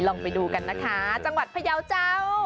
ลองไปดูกันนะคะจังหวัดพยาวเจ้า